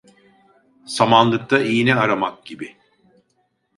Samanlıkta iğne aramak gibi.